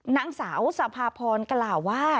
นางสาวสภาพรกล่าวว่า